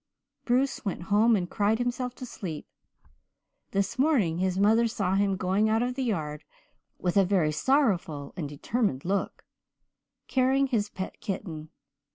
Bruce went home and cried himself to sleep. This morning his mother saw him going out of the yard, with a very sorrowful and determined look, carrying his pet kitten.